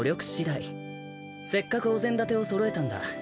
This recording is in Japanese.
せっかくお膳立てを揃えたんだ。